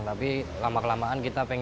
tapi lama kelamaan kita pengen